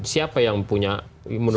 siapa yang punya menurut